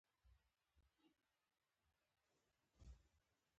پېچ شپاړس میتره اوږدوالی لري.